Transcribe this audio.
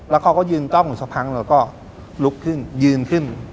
แล้วก็ยืนเจ้าของหนูตกพังแล้วก็ลุกขึ้นยืนขึ้น